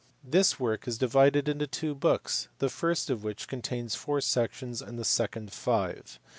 This work is divided into two books, the first of which contains four sections and the second five.